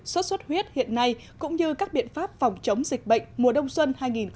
xuất xuất huyết hiện nay cũng như các biện pháp phòng chống dịch bệnh mùa đông xuân hai nghìn một mươi tám hai nghìn một mươi chín